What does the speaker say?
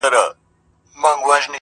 گنې په تورو توتکيو دې ماتم ساز کړي,